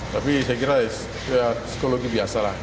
tapi saya kira ya psikologi biasa lah